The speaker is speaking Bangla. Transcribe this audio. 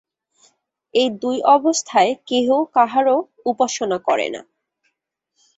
এই দুই অবস্থায় কেহ কাহারও উপাসনা করে না।